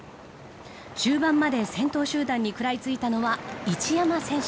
終盤まで先頭集団に食らいついたのは一山選手。